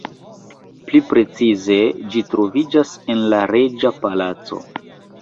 Pli precize ĝi troviĝas en la reĝa palaco.